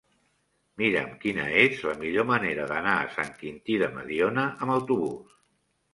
Mira'm quina és la millor manera d'anar a Sant Quintí de Mediona amb autobús.